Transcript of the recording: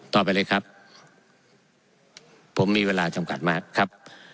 ต่อไปเลยครับผมมีเวลาจำกัดมากครับ